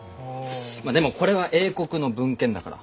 まあでもこれは英国の文献だから。